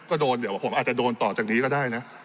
ก็โดนเดี๋ยวผมอาจจะโดนต่อจากนี้ก็ได้นะ